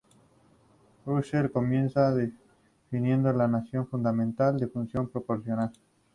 Russell comienza definiendo la noción "fundamental" de "función proposicional".